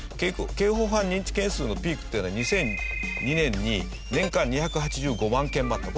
刑法犯認知件数のピークっていうのは２００２年に年間２８５万件もあった。